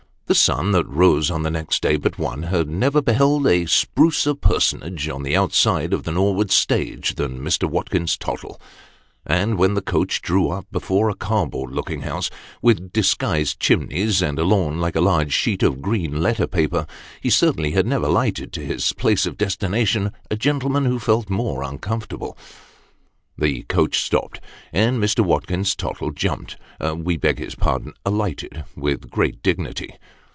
The sun that rose on the next day but one, had never beheld a sprucer personage on the outside of the Norwood stage, than Mr. Watkins Tottle; and when the coach drew up before a cardboard looking house with disguised chimneys, and a lawn like a large sheet of green letter paper, he certainly had never lighted to his place of destination a gentleman who felt more uncomfortable. The coach stopped, and Mr. Watkins Tottle jumped we beg his pardon alighted, with great dignity.